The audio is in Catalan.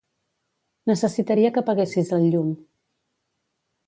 Necessitaria que apaguessis el llum.